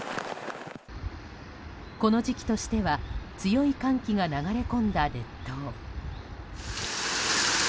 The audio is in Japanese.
この時期としては強い寒気が流れ込んだ列島。